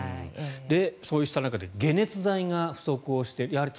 そうした中で解熱剤が不足していると。